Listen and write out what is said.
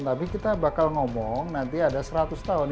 tapi kita bakal ngomong nanti ada seratus tahun